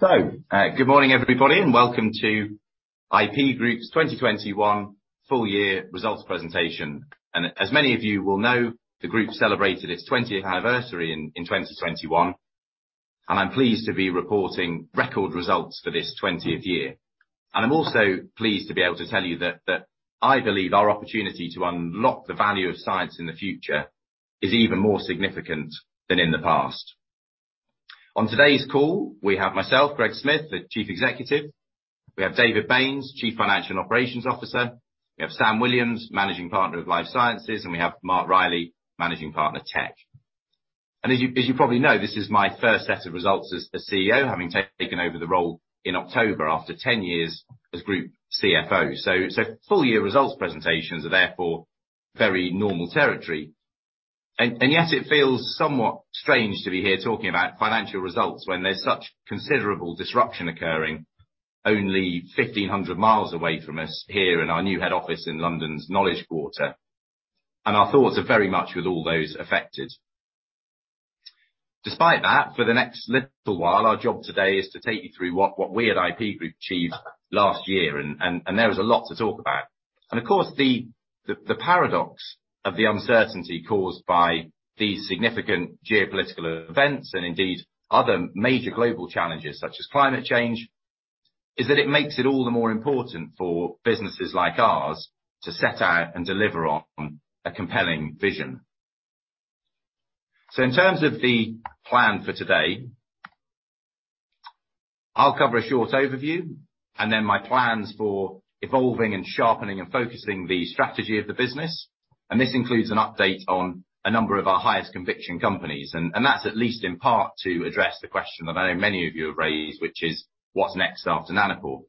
Good morning, everybody, and welcome to IP Group's 2021 Full Year Results Presentation. As many of you will know, the group celebrated its 20th anniversary in 2021, and I'm pleased to be reporting record results for this 20th year. I'm also pleased to be able to tell you that I believe our opportunity to unlock the value of science in the future is even more significant than in the past. On today's call, we have myself, Greg Smith, the Chief Executive. We have David Baynes, Chief Financial and Operating Officer. We have Sam Williams, Managing Partner of Life Sciences, and we have Mark Reilly, Managing Partner, Tech. As you probably know, this is my first set of results as CEO, having taken over the role in October after 10 years as Group CFO. Full year results presentations are therefore very normal territory. Yet it feels somewhat strange to be here talking about financial results when there's such considerable disruption occurring only 1,500 mi away from us here in our new head office in London's Knowledge Quarter. Our thoughts are very much with all those affected. Despite that, for the next little while, our job today is to take you through what we at IP Group achieved last year, and there is a lot to talk about. Of course, the paradox of the uncertainty caused by these significant geopolitical events and indeed other major global challenges such as climate change is that it makes it all the more important for businesses like ours to set out and deliver on a compelling vision. In terms of the plan for today, I'll cover a short overview and then my plans for evolving and sharpening and focusing the strategy of the business, and this includes an update on a number of our highest conviction companies. That's at least in part to address the question that I know many of you have raised, which is what's next after Nanopore?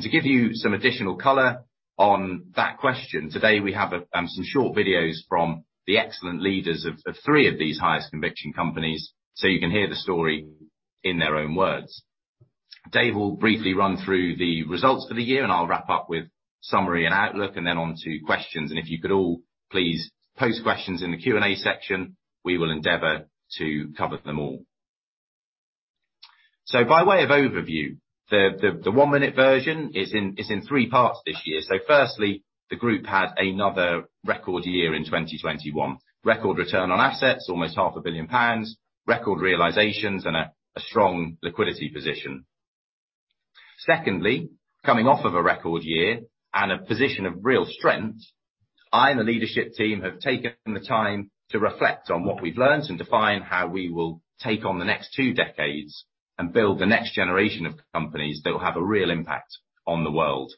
To give you some additional color on that question, today we have some short videos from the excellent leaders of three of these highest conviction companies, so you can hear the story in their own words. Dave will briefly run through the results for the year, and I'll wrap up with summary and outlook, and then on to questions. If you could all please post questions in the Q&A section, we will endeavor to cover them all. By way of overview, the one-minute version is in three parts this year. Firstly, the group had another record year in 2021. Record return on assets, almost half a billion GBP, record realizations, and a strong liquidity position. Secondly, coming off of a record year and a position of real strength, I and the leadership team have taken the time to reflect on what we've learned and define how we will take on the next two decades and build the next generation of companies that will have a real impact on the world.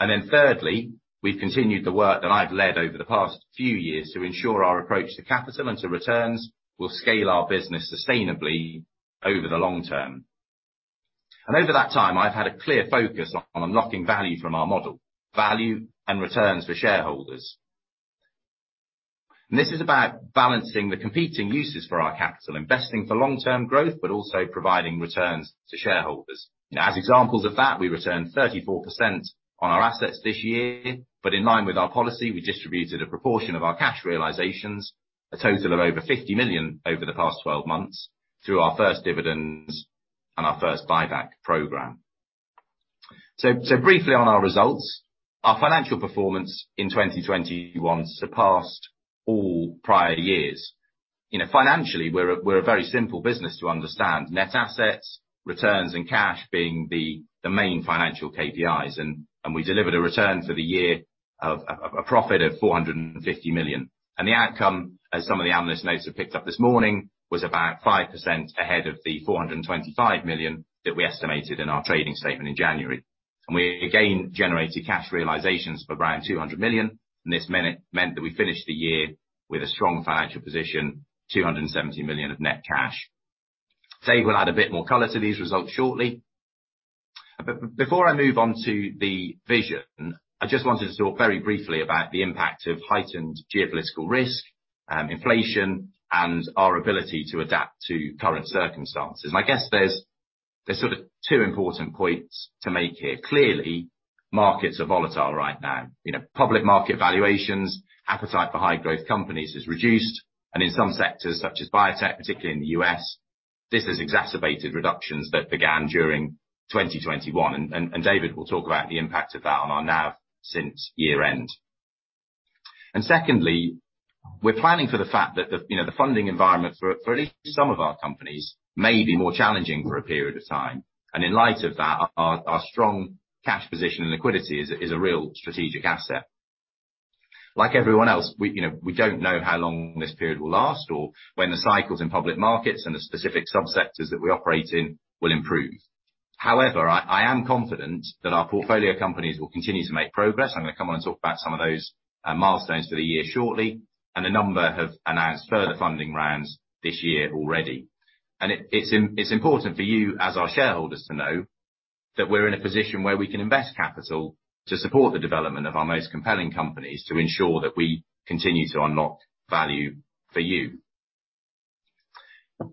Thirdly, we've continued the work that I've led over the past few years to ensure our approach to capital and to returns will scale our business sustainably over the long term. Over that time, I've had a clear focus on unlocking value from our model, value and returns for shareholders. This is about balancing the competing uses for our capital, investing for long-term growth, but also providing returns to shareholders. Now, as examples of that, we returned 34% on our assets this year, but in line with our policy, we distributed a proportion of our cash realizations, a total of over 50 million over the past twelve months through our first dividends and our first buyback program. So briefly on our results. Our financial performance in 2021 surpassed all prior years. You know, financially, we're a very simple business to understand. Net assets, returns, and cash being the main financial KPIs. We delivered a return for the year of a profit of 450 million. The outcome, as some of the analyst notes have picked up this morning, was about 5% ahead of the 425 million that we estimated in our trading statement in January. We again generated cash realizations for around 200 million, and this meant that we finished the year with a strong financial position, 270 million of net cash. Dave will add a bit more color to these results shortly. Before I move on to the vision, I just wanted to talk very briefly about the impact of heightened geopolitical risk, inflation, and our ability to adapt to current circumstances. I guess there's sort of two important points to make here. Clearly, markets are volatile right now. You know, public market valuations, appetite for high growth companies is reduced, and in some sectors, such as biotech, particularly in the U.S., this has exacerbated reductions that began during 2021. David Baynes will talk about the impact of that on our NAV since year-end. Secondly, we're planning for the fact that the, you know, the funding environment for at least some of our companies may be more challenging for a period of time. In light of that, our strong cash position and liquidity is a real strategic asset. Like everyone else, we, you know, we don't know how long this period will last or when the cycles in public markets and the specific sub-sectors that we operate in will improve. However, I am confident that our portfolio companies will continue to make progress. I'm gonna come on and talk about some of those milestones for the year shortly, and a number have announced further funding rounds this year already. It's important for you, as our shareholders, to know that we're in a position where we can invest capital to support the development of our most compelling companies to ensure that we continue to unlock value for you.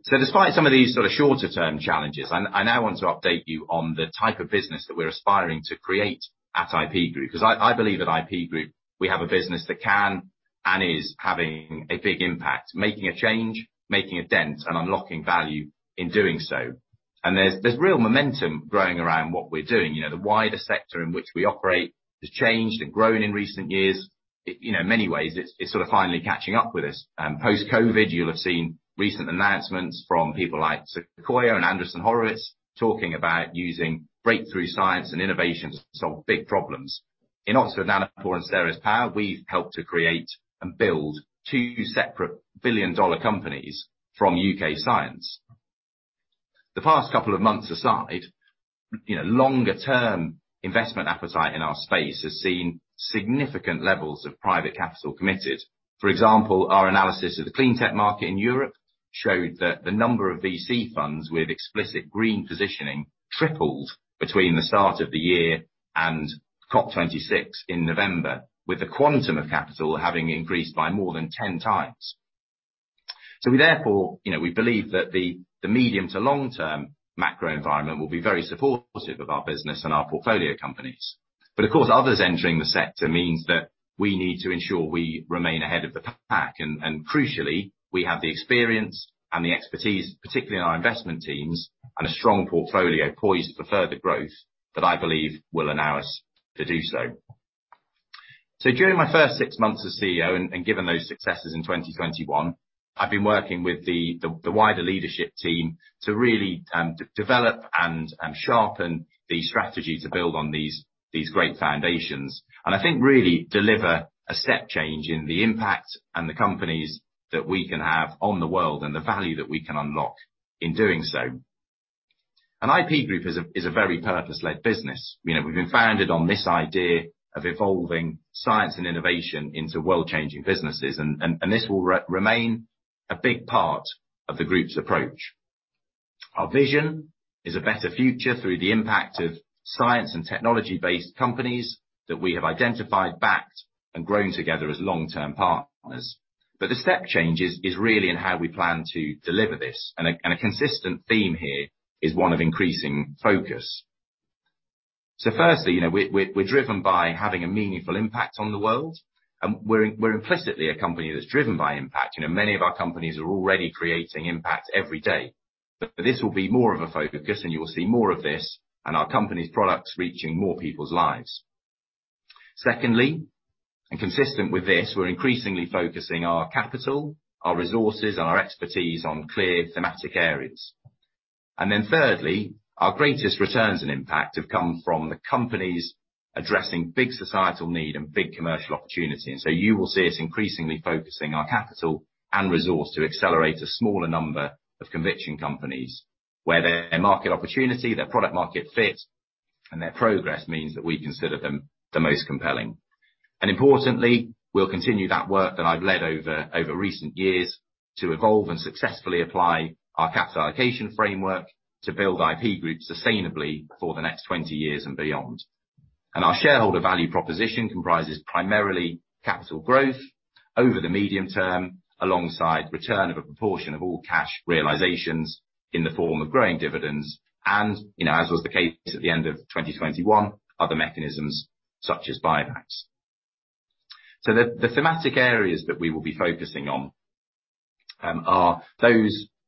Despite some of these sort of shorter-term challenges, I now want to update you on the type of business that we're aspiring to create at IP Group. 'Cause I believe at IP Group, we have a business that can and is having a big impact, making a change, making a dent, and unlocking value in doing so. There's real momentum growing around what we're doing. You know, the wider sector in which we operate has changed and grown in recent years. It, you know, in many ways, it's sort of finally catching up with us. Post-COVID, you'll have seen recent announcements from people like Sequoia and Andreessen Horowitz talking about using breakthrough science and innovation to solve big problems. In Oxford Nanopore and Ceres Power, we've helped to create and build two separate billion-dollar companies from U.K. science. The past couple of months aside, you know, longer term investment appetite in our space has seen significant levels of private capital committed. For example, our analysis of the clean tech market in Europe showed that the number of VC funds with explicit green positioning tripled between the start of the year and COP26 in November, with the quantum of capital having increased by more than 10 times. We therefore, you know, we believe that the medium to long-term macro environment will be very supportive of our business and our portfolio companies. Of course, others entering the sector means that we need to ensure we remain ahead of the pack, and crucially, we have the experience and the expertise, particularly in our investment teams and a strong portfolio poised for further growth that I believe will allow us to do so. During my first six months as CEO, and given those successes in 2021, I've been working with the wider leadership team to really develop and sharpen the strategy to build on these great foundations. I think really deliver a step change in the impact and the companies that we can have on the world and the value that we can unlock in doing so. IP Group is a very purpose-led business. You know, we've been founded on this idea of evolving science and innovation into world-changing businesses, and this will remain a big part of the group's approach. Our vision is a better future through the impact of science and technology-based companies that we have identified, backed, and grown together as long-term partners. The step change is really in how we plan to deliver this. A consistent theme here is one of increasing focus. Firstly, you know, we're driven by having a meaningful impact on the world, and we're implicitly a company that's driven by impact. You know, many of our companies are already creating impact every day. This will be more of a focus, and you will see more of this and our company's products reaching more people's lives. Secondly, and consistent with this, we're increasingly focusing our capital, our resources, and our expertise on clear thematic areas. Thirdly, our greatest returns and impact have come from the companies addressing big societal need and big commercial opportunity. You will see us increasingly focusing our capital and resource to accelerate a smaller number of conviction companies where their market opportunity, their product market fit, and their progress means that we consider them the most compelling. Importantly, we'll continue that work that I've led over recent years to evolve and successfully apply our capital allocation framework to build IP Group sustainably for the next 20 years and beyond. Our shareholder value proposition comprises primarily capital growth over the medium term, alongside return of a proportion of all cash realizations in the form of growing dividends, and, you know, as was the case at the end of 2021, other mechanisms such as buybacks. The thematic areas that we will be focusing on are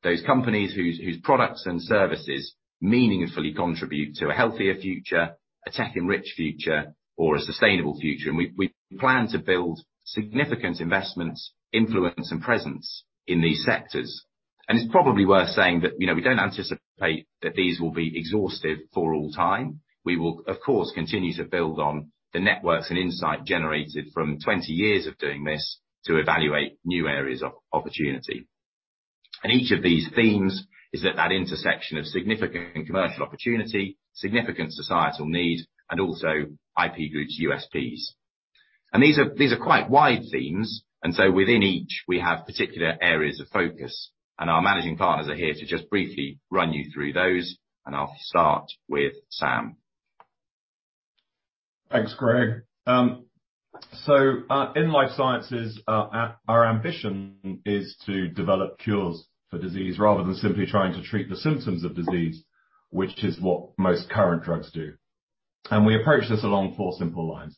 those companies whose products and services meaningfully contribute to a healthier future, a tech-enriched future or a sustainable future. We plan to build significant investments, influence, and presence in these sectors. It's probably worth saying that, you know, we don't anticipate that these will be exhaustive for all time. We will, of course, continue to build on the networks and insight generated from 20 years of doing this to evaluate new areas of opportunity. Each of these themes is at that intersection of significant commercial opportunity, significant societal need, and also IP Group's USPs. These are quite wide themes, and so within each, we have particular areas of focus, and our managing partners are here to just briefly run you through those, and I'll start with Sam. Thanks, Greg. In life sciences, our ambition is to develop cures for disease rather than simply trying to treat the symptoms of disease, which is what most current drugs do. We approach this along four simple lines.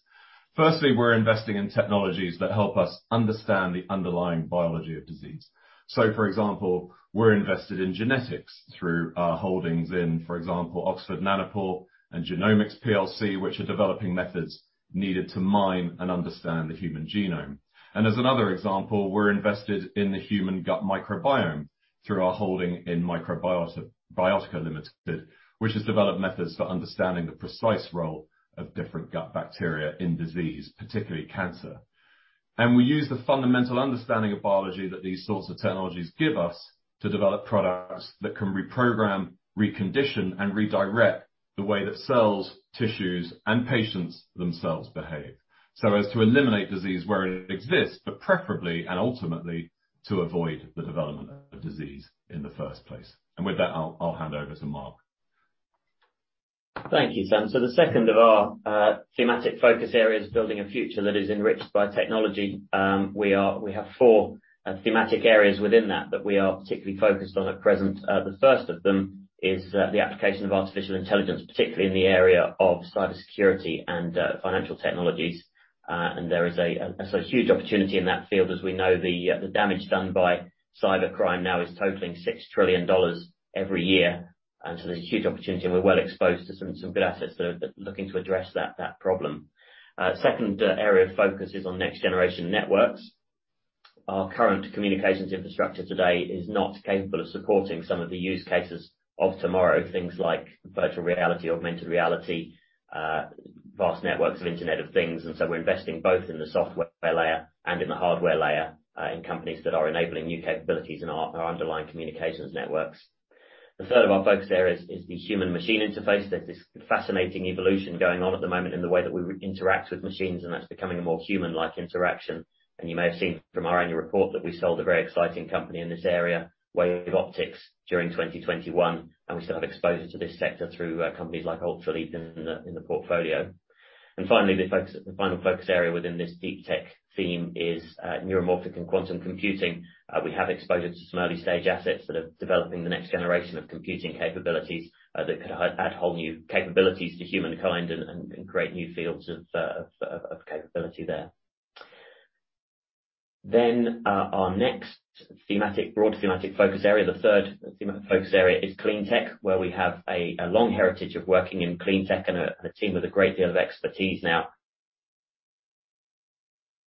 Firstly, we're investing in technologies that help us understand the underlying biology of disease. For example, we're invested in genetics through our holdings in, for example, Oxford Nanopore and Genomics plc, which are developing methods needed to mine and understand the human genome. As another example, we're invested in the human gut microbiome through our holding in Microbiotica Limited, which has developed methods for understanding the precise role of different gut bacteria in disease, particularly cancer. We use the fundamental understanding of biology that these sorts of technologies give us to develop products that can reprogram, recondition, and redirect the way that cells, tissues, and patients themselves behave, so as to eliminate disease where it exists, but preferably and ultimately, to avoid the development of disease in the first place. With that, I'll hand over to Mark. Thank you, Sam. The second of our thematic focus area is building a future that is enriched by technology. We have four thematic areas within that we are particularly focused on at present. The first of them is the application of artificial intelligence, particularly in the area of cybersecurity and financial technologies. There is a huge opportunity in that field. As we know, the damage done by cybercrime now is totaling $6 trillion every year. There's a huge opportunity, and we're well exposed to some good assets that are looking to address that problem. Second area of focus is on next-generation networks. Our current communications infrastructure today is not capable of supporting some of the use cases of tomorrow. Things like virtual reality, augmented reality, vast networks of Internet of Things. We're investing both in the software layer and in the hardware layer in companies that are enabling new capabilities in our underlying communications networks. The third of our focus areas is the human machine interface. There's this fascinating evolution going on at the moment in the way that we interact with machines, and that's becoming a more human-like interaction. You may have seen from our annual report that we sold a very exciting company in this area, WaveOptics, during 2021, and we still have exposure to this sector through companies like Ultraleap in the portfolio. Finally, the final focus area within this deep tech theme is neuromorphic and quantum computing. We have exposure to some early-stage assets that are developing the next generation of computing capabilities, that could add whole new capabilities to humankind and great new fields of capability there. Our next thematic, broad thematic focus area, the third thematic focus area is clean tech, where we have a long heritage of working in clean tech and a team with a great deal of expertise now.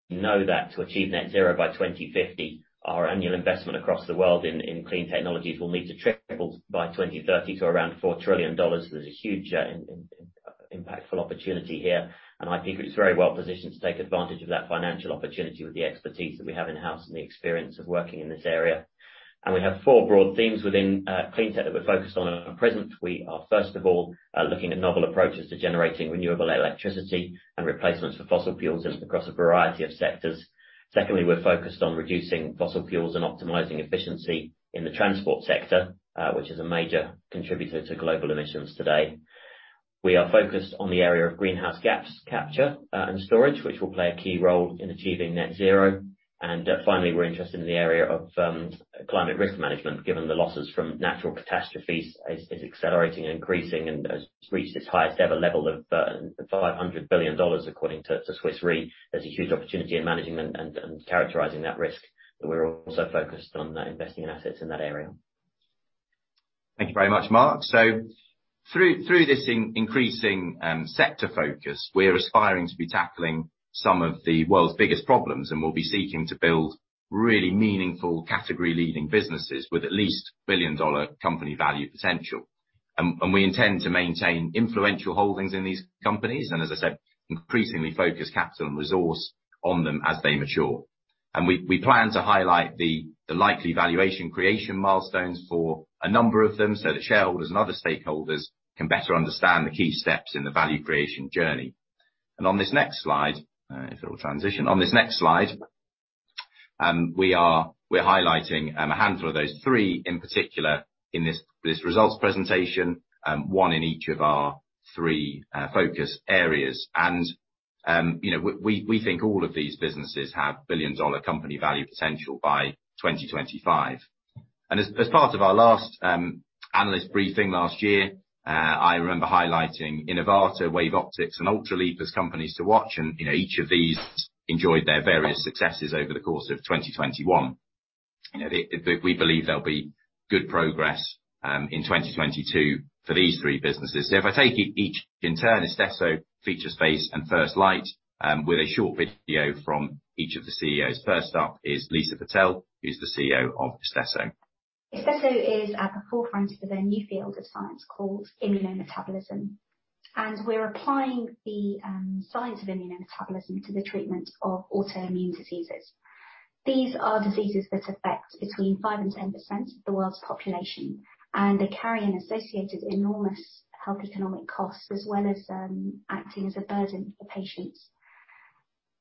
You know that to achieve net zero by 2050, our annual investment across the world in clean technologies will need to triple by 2030 to around $4 trillion. There's a huge impactful opportunity here, and IP is very well positioned to take advantage of that financial opportunity with the expertise that we have in-house and the experience of working in this area. We have four broad themes within clean tech that we're focused on at present. We are, first of all, looking at novel approaches to generating renewable electricity and replacements for fossil fuels and across a variety of sectors. Secondly, we're focused on reducing fossil fuels and optimizing efficiency in the transport sector, which is a major contributor to global emissions today. We are focused on the area of greenhouse gas capture and storage, which will play a key role in achieving Net Zero. Finally, we're interested in the area of climate risk management, given the losses from natural catastrophes is accelerating and increasing and has reached its highest ever level of $500 billion, according to Swiss Re. There's a huge opportunity in managing and characterizing that risk, and we're also focused on investing in assets in that area. Thank you very much, Mark. Through this increasing sector focus, we're aspiring to be tackling some of the world's biggest problems, and we'll be seeking to build really meaningful category-leading businesses with at least billion-dollar company value potential. We intend to maintain influential holdings in these companies and as I said, increasingly focus capital and resource on them as they mature. We plan to highlight the likely valuation creation milestones for a number of them, so that shareholders and other stakeholders can better understand the key steps in the value creation journey. On this next slide, if it will transition. On this next slide, we're highlighting a handful of those, three in particular in this results presentation, one in each of our three focus areas. You know, we think all of these businesses have billion-dollar company value potential by 2025. As part of our last analyst briefing last year, I remember highlighting Inivata, WaveOptics, and Ultraleap as companies to watch. You know, each of these enjoyed their various successes over the course of 2021. You know, we believe there'll be good progress in 2022 for these three businesses. If I take each in turn, Istesso, Featurespace and First Light, with a short video from each of the CEOs. First up is Lisa Patel, who's the CEO of Istesso. Istesso is at the forefront of a new field of science called immunometabolism, and we're applying the science of immunometabolism to the treatment of autoimmune diseases. These are diseases that affect between 5%-10% of the world's population, and they carry an associated enormous health economic cost, as well as acting as a burden for patients.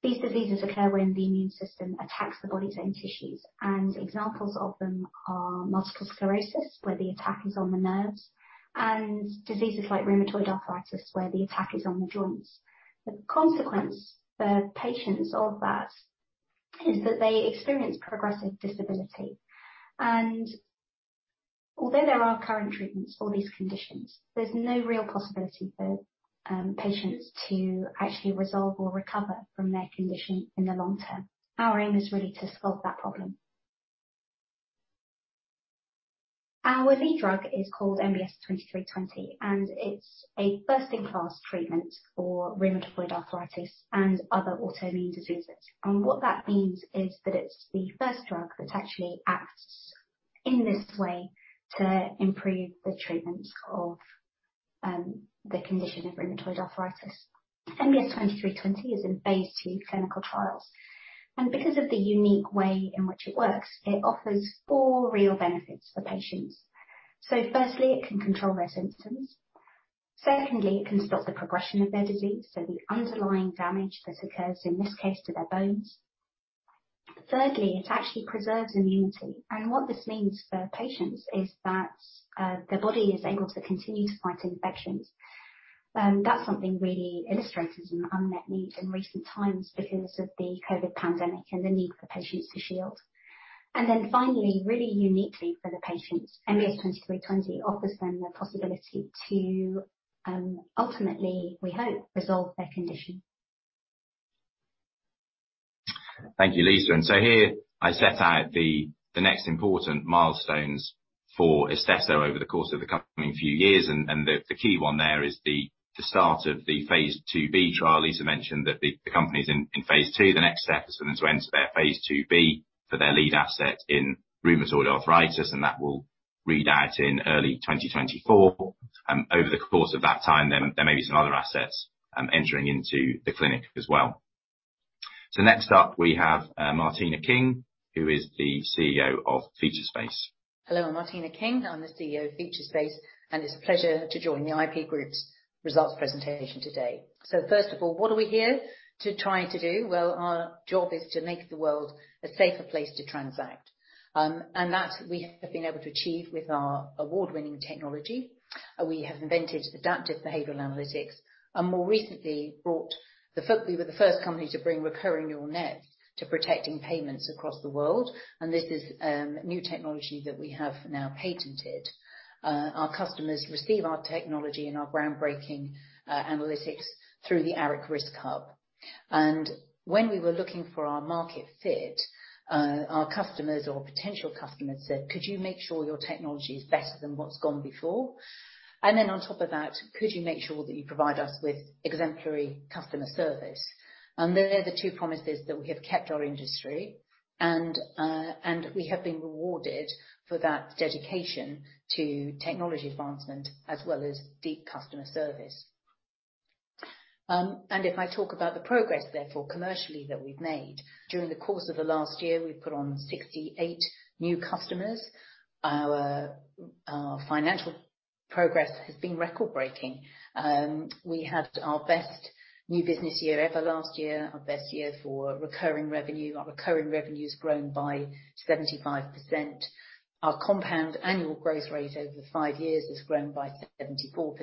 These diseases occur when the immune system attacks the body's own tissues, and examples of them are multiple sclerosis, where the attack is on the nerves, and diseases like rheumatoid arthritis, where the attack is on the joints. The consequence for patients of that is that they experience progressive disability. Although there are current treatments for these conditions, there's no real possibility for patients to actually resolve or recover from their condition in the long term. Our aim is really to solve that problem. Our lead drug is called MBS2320, and it's a first-in-class treatment for rheumatoid arthritis and other autoimmune diseases. What that means is that it's the first drug that actually acts in this way to improve the treatment of the condition of rheumatoid arthritis. MBS2320 is in phase II clinical trials, and because of the unique way in which it works, it offers four real benefits for patients. Firstly, it can control their symptoms. Secondly, it can stop the progression of their disease, so the underlying damage that occurs, in this case, to their bones. Thirdly, it actually preserves immunity. What this means for patients is that their body is able to continue to fight infections. That's something really illustrated in unmet needs in recent times because of the COVID pandemic and the need for patients to shield. Finally, really uniquely for the patients, MBS2320 offers them the possibility to, ultimately, we hope, resolve their condition. Thank you, Lisa. Here I set out the next important milestones for Istesso over the course of the coming few years. The key one there is the start of the phase IIb trial. Lisa mentioned that the company's in phase II. The next step is for them to enter their phase IIb for their lead asset in rheumatoid arthritis, and that will read out in early 2024. Over the course of that time, there may be some other assets entering into the clinic as well. Next up, we have Martina King, who is the CEO of Featurespace. Hello, I'm Martina King, I'm the CEO of Featurespace, and it's a pleasure to join the IP Group's results presentation today. First of all, what are we here to try to do? Well, our job is to make the world a safer place to transact. That we have been able to achieve with our award-winning technology. We have invented adaptive behavioral analytics. We were the first company to bring recurrent neural networks to protecting payments across the world, and this is new technology that we have now patented. Our customers receive our technology and our groundbreaking analytics through the ARIC Risk Hub. When we were looking for our market fit, our customers or potential customers said, "Could you make sure your technology is better than what's gone before? Then on top of that, could you make sure that you provide us with exemplary customer service? They're the two promises that we have kept our industry, and we have been rewarded for that dedication to technology advancement as well as deep customer service. If I talk about the progress therefore, commercially, that we've made, during the course of the last year, we've put on 68 new customers. Our financial progress has been record-breaking. We had our best new business year ever last year, our best year for recurring revenue. Our recurring revenue has grown by 75%. Our compound annual growth rate over five years has grown by 74%.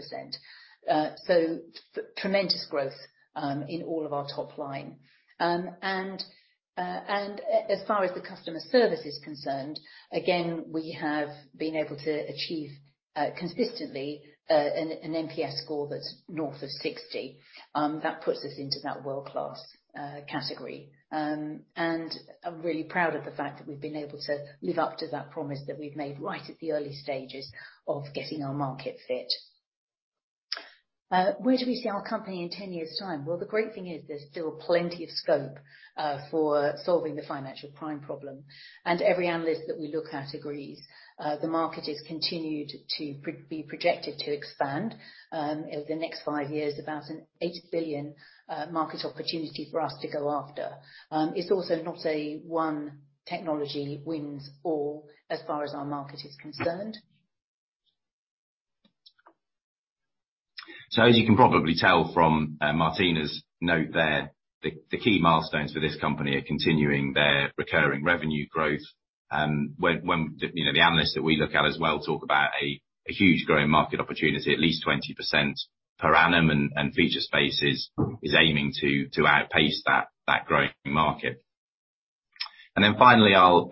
Tremendous growth in all of our top line. As far as the customer service is concerned, again, we have been able to achieve consistently an NPS score that's north of 60. That puts us into that world-class category. I'm really proud of the fact that we've been able to live up to that promise that we've made right at the early stages of getting our market fit. Where do we see our company in 10 years' time? Well, the great thing is there's still plenty of scope for solving the financial crime problem. Every analyst that we look at agrees the market has continued to be projected to expand. Over the next 5 years, about a 8 billion market opportunity for us to go after. It's also not a one technology wins all as far as our market is concerned. As you can probably tell from Martina's note there, the key milestones for this company are continuing their recurring revenue growth. When you know, the analysts that we look at as well talk about a huge growing market opportunity, at least 20% per annum, and Featurespace is aiming to outpace that growing market. Then finally, I'll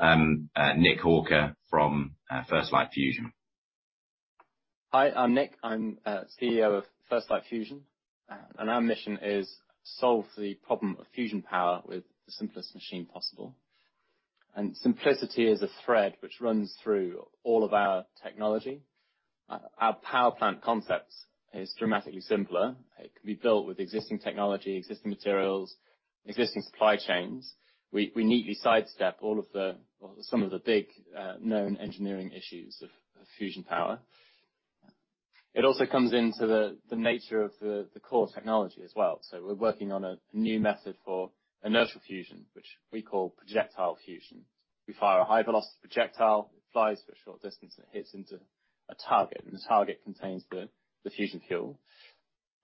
Nick Hawker from First Light Fusion. Hi, I'm Nick. I'm CEO of First Light Fusion. Our mission is solve the problem of fusion power with the simplest machine possible. Simplicity is a thread which runs through all of our technology. Our power plant concept is dramatically simpler. It can be built with existing technology, existing materials, existing supply chains. We neatly sidestep all of the or some of the big known engineering issues of fusion power. It also comes into the nature of the core technology as well. We're working on a new method for inertial fusion, which we call projectile fusion. We fire a high-velocity projectile, it flies for a short distance and hits into a target, and the target contains the fusion fuel.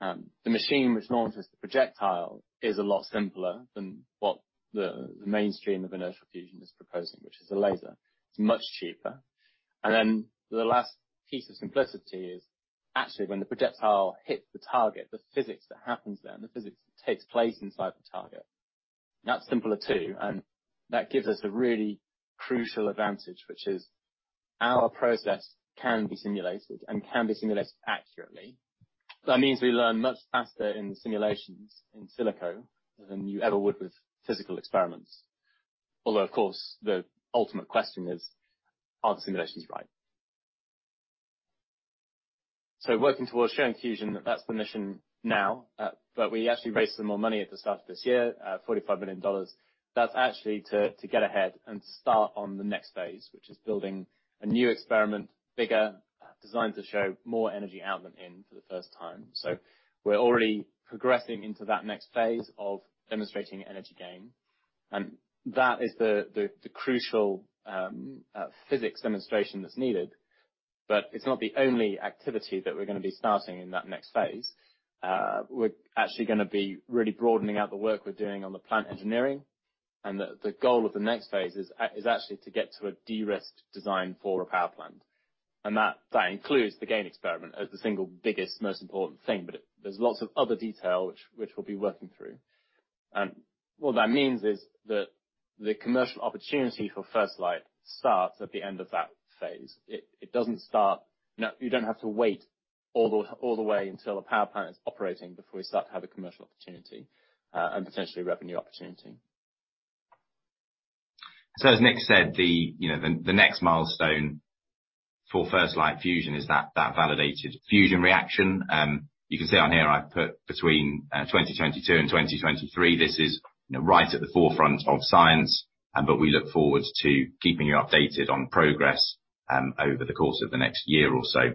The machine which launches the projectile is a lot simpler than what the mainstream of inertial fusion is proposing, which is a laser. It's much cheaper. The last piece of simplicity is actually when the projectile hits the target, the physics that happens then, the physics that takes place inside the target, that's simpler too, and that gives us a really crucial advantage, which is our process can be simulated and can be simulated accurately. That means we learn much faster in the simulations in silico than you ever would with physical experiments. Although, of course, the ultimate question is, are the simulations right? Working towards achieving fusion, that's the mission now, but we actually raised some more money at the start of this year, $45 million. That's actually to get ahead and start on the next phase, which is building a new experiment, bigger, designed to show more energy out than in for the first time. We're already progressing into that next phase of demonstrating energy gain, and that is the crucial physics demonstration that's needed. It's not the only activity that we're gonna be starting in that next phase. We're actually gonna be really broadening out the work we're doing on the plant engineering, and the goal of the next phase is actually to get to a de-risked design for a power plant. That includes the GAIN experiment as the single biggest, most important thing, but it. There's lots of other detail which we'll be working through. What that means is that the commercial opportunity for First Light starts at the end of that phase. It doesn't start. No, you don't have to wait all the way until the power plant is operating before you start to have a commercial opportunity, and potentially revenue opportunity. As Nick said, the next milestone for First Light Fusion is that validated fusion reaction. You can see on here I've put between 2022 and 2023. This is right at the forefront of science, but we look forward to keeping you updated on progress over the course of the next year or so.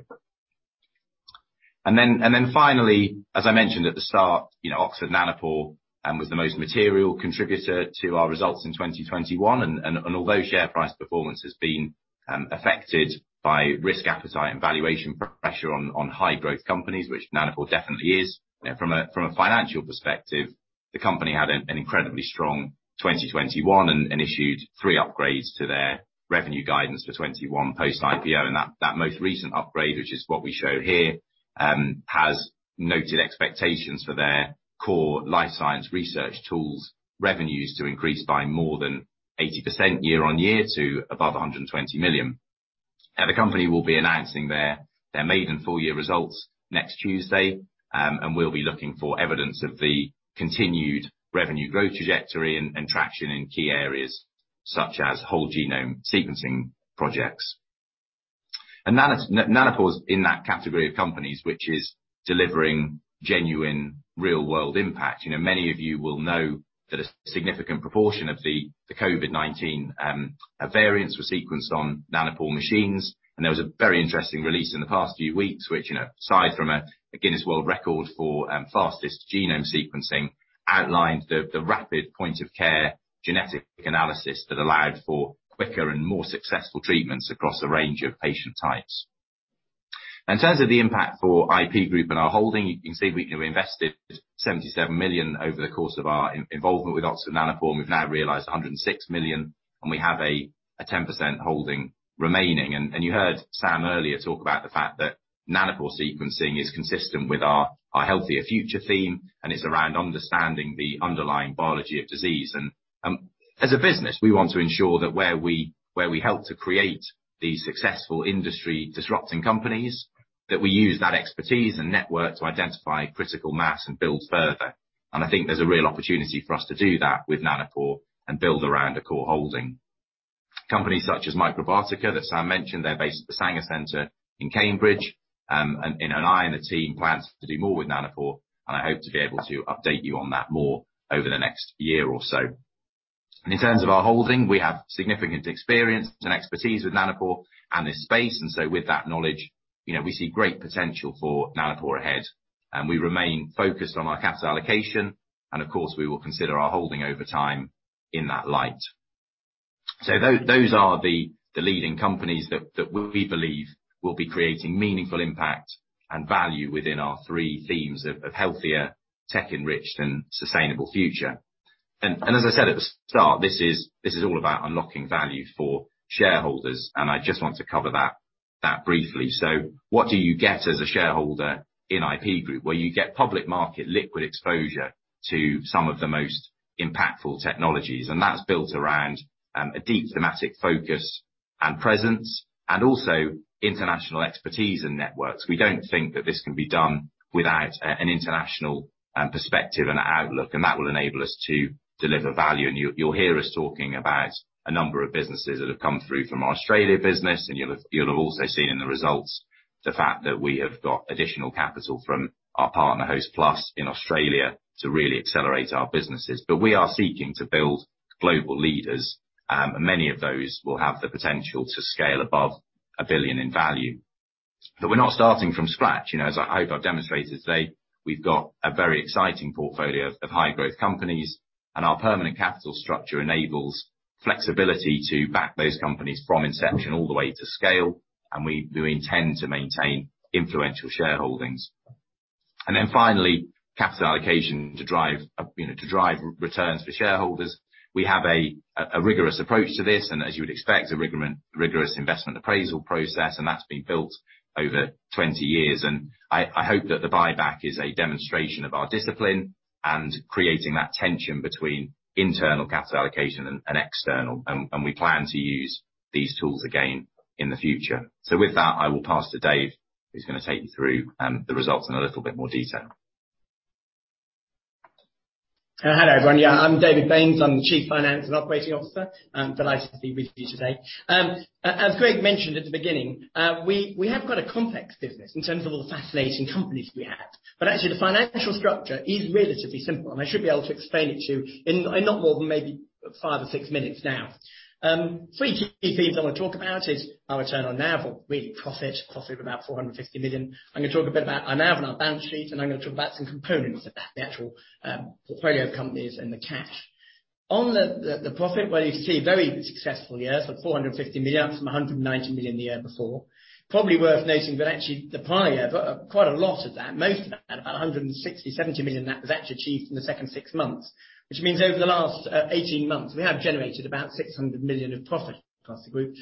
Finally, as I mentioned at the start, Oxford Nanopore was the most material contributor to our results in 2021. Although share price performance has been affected by risk appetite and valuation pressure on high growth companies, which Nanopore definitely is, from a financial perspective, the company had an incredibly strong 2021 and issued three upgrades to their revenue guidance for 2021 post-IPO. That most recent upgrade, which is what we show here, has noted expectations for their core life science research tools revenues to increase by more than 80% year-on-year to above 120 million. The company will be announcing their maiden full year results next Tuesday, and we'll be looking for evidence of the continued revenue growth trajectory and traction in key areas such as Whole Genome Sequencing projects. Oxford Nanopore's in that category of companies which is delivering genuine real world impact. You know, many of you will know that a significant proportion of the COVID-19 variants were sequenced on Nanopore machines, and there was a very interesting release in the past few weeks which, you know, aside from a Guinness World Record for fastest genome sequencing, outlined the rapid point of care genetic analysis that allowed for quicker and more successful treatments across a range of patient types. In terms of the impact for IP Group and our holding, you can see we invested 77 million over the course of our involvement with Oxford Nanopore, and we've now realized 106 million, and we have a 10% holding remaining. You heard Sam earlier talk about the fact that Nanopore sequencing is consistent with our Healthier Future theme, and it's around understanding the underlying biology of disease. As a business, we want to ensure that where we help to create these successful industry disrupting companies, that we use that expertise and network to identify critical mass and build further. I think there's a real opportunity for us to do that with Nanopore and build around a core holding. Companies such as Microbiotica that Sam mentioned, they're based at the Wellcome Sanger Institute in Cambridge, and I and the team plan to do more with Nanopore, and I hope to be able to update you on that more over the next year or so. In terms of our holding, we have significant experience and expertise with Nanopore and this space, and so with that knowledge, you know, we see great potential for Nanopore ahead. We remain focused on our capital allocation, and of course, we will consider our holding over time in that light. Those are the leading companies that we believe will be creating meaningful impact and value within our three themes of healthier, tech-enriched and sustainable future. As I said at the start, this is all about unlocking value for shareholders, and I just want to cover that briefly. What do you get as a shareholder in IP Group? Well, you get public market liquid exposure to some of the most impactful technologies, and that's built around a deep thematic focus and presence, and also international expertise and networks. We don't think that this can be done without an international perspective and outlook, and that will enable us to deliver value. You'll hear us talking about a number of businesses that have come through from our Australia business, and you'll have also seen in the results the fact that we have got additional capital from our partner Hostplus in Australia to really accelerate our businesses. We are seeking to build global leaders, and many of those will have the potential to scale above a billion in value. But we're not starting from scratch. You know, as I hope I've demonstrated today, we've got a very exciting portfolio of high growth companies, and our permanent capital structure enables flexibility to back those companies from inception all the way to scale, and we do intend to maintain influential shareholdings. Then finally, capital allocation to drive you know returns for shareholders. We have a rigorous approach to this and, as you would expect, a rigorous investment appraisal process, and that's been built over 20 years. I hope that the buyback is a demonstration of our discipline and creating that tension between internal capital allocation and external, and we plan to use these tools again in the future. With that, I will pass to Dave, who's gonna take you through the results in a little bit more detail. Hello everyone. Yeah, I'm David Baynes. I'm the Chief Financial and Operating Officer. I'm delighted to be with you today. As Greg mentioned at the beginning, we have got a complex business in terms of all the fascinating companies we have, but actually the financial structure is relatively simple, and I should be able to explain it to you in not more than maybe five or six minutes now. Three key things I wanna talk about is our return on NAV or really profit of about 450 million. I'm gonna talk a bit about our NAV and our balance sheet, and I'm gonna talk about some components of that, the actual portfolio companies and the cash. On the profit, well, you can see a very successful year for 450 million, up from 190 million the year before. Probably worth noting that actually the prior year, quite a lot of that, most of that, about 160-170 million of that was actually achieved in the second six months, which means over the last 18 months, we have generated about 600 million of profit across the group.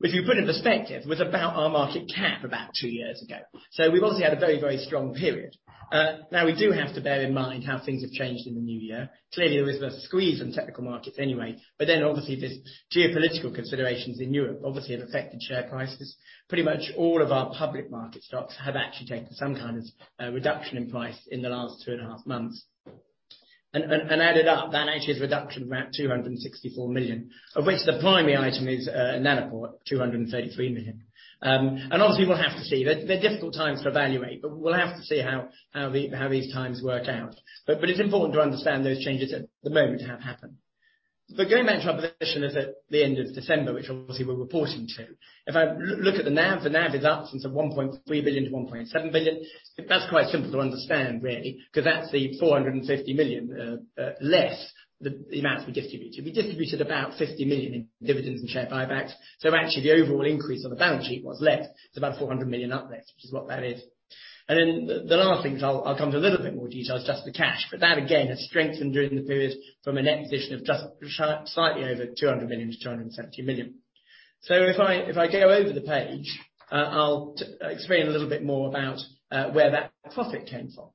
Which if you put in perspective, was about our market cap about 2 years ago. So we've obviously had a very, very strong period. Now we do have to bear in mind how things have changed in the new year. Clearly, there is the squeeze on tech markets anyway, but then obviously there's geopolitical considerations in Europe obviously have affected share prices. Pretty much all of our public market stocks have actually taken some kind of reduction in price in the last 2.5 months. Added up, that actually is a reduction of about 264 million, of which the primary item is Oxford Nanopore, 233 million. Obviously we'll have to see. They're difficult times to evaluate, but we'll have to see how these times work out. It's important to understand those changes at the moment have happened. Going back to our position is at the end of December, which obviously we're reporting to. If I look at the NAV, the NAV is up from 1.3 billion to 1.7 billion. That's quite simple to understand really, 'cause that's the 450 million less the amount we distributed. We distributed about 50 million in dividends and share buybacks, so actually the overall increase on the balance sheet was less to about 400 million uplift, which is what that is. The last things I'll come to a little bit more detail is just the cash. That again has strengthened during the period from a net position of just slightly over 200 million to 270 million. If I go over the page, I'll explain a little bit more about where that profit came from.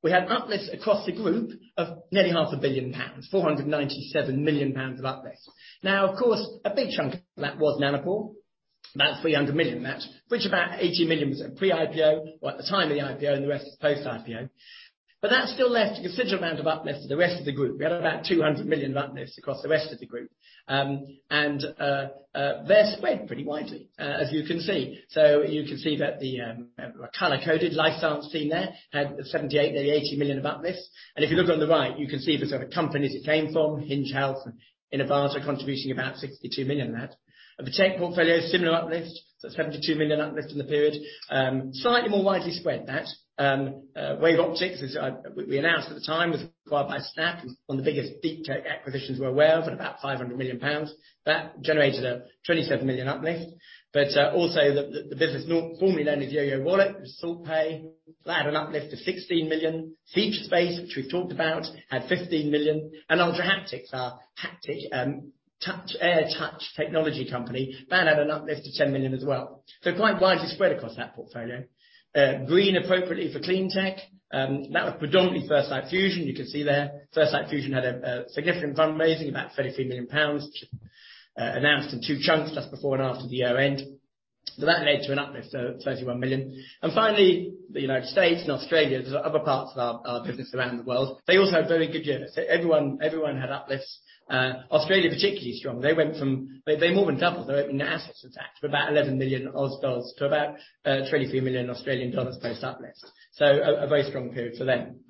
We had an uplift across the group of nearly half a billion pounds, 497 million pounds of uplift. Now, of course, a big chunk of that was Oxford Nanopore, about 300 million that which about 80 million was at pre-IPO or at the time of the IPO, and the rest is post-IPO. That still left a considerable amount of uplift to the rest of the group. We had about 200 million of uplift across the rest of the group. They're spread pretty widely, as you can see. You can see that the color-coded life sciences section there had 78, nearly 80 million of uplift. If you look on the right, you can see the sort of companies it came from, Hinge Health and Inivata are contributing about 62 million of that. The tech portfolio, similar uplift, so 72 million uplift in the period. Slightly more widely spread than that, WaveOptics, as we announced at the time, was acquired by Snap, one of the biggest deep tech acquisitions we're aware of at about 500 million pounds. That generated a 27 million uplift. Also the business formerly known as Yoyo Wallet, SaltPay, that had an uplift of 16 million. Featurespace, which we've talked about, had 15 million. Ultraleap, our haptic touchless air touch technology company, that had an uplift of 10 million as well. Quite widely spread across that portfolio. Green appropriately for cleantech, that was predominantly First Light Fusion, you can see there. First Light Fusion had a significant fundraising, about 33 million pounds, which announced in two chunks just before and after the year-end. That led to an uplift, so 31 million. Finally, the United States and Australia, the other parts of our business around the world, they also had very good years. Everyone had uplifts. Australia particularly strong. They more than doubled. They opened assets of that for about 11 million dollars to about 23 million Australian dollars post uplift. A very strong period for them.